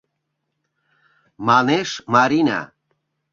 - манеш Марина.